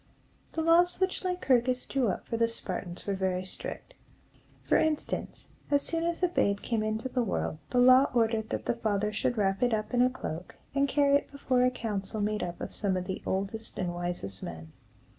The laws which Lycurgus drew up for the Spartans were very strict. For instance, as soon as a babe came into the world, the law ordered that the father should wrap it up in a cloak, and carry it before a council made up of some of the oldest and wisest men.